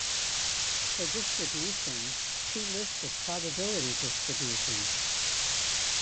For distributions, see List of probability distributions.